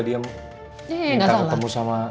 dia minta ketemu sama